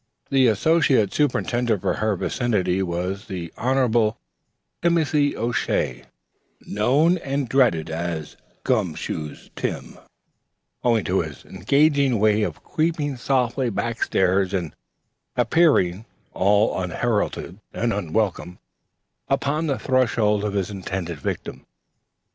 The Associate Superintendent for her vicinity was the Honorable Timothy O'Shea, known and dreaded as "Gum Shoe Tim," owing to his engaging way of creeping softly up back stairs and appearing, all unheralded and unwelcome, upon the threshold of his intended victim.